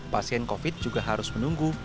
pasien covid juga harus menunggu